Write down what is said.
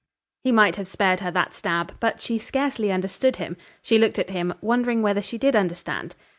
He might have spared her that stab. But she scarcely understood him. She looked at him, wondering whether she did understand.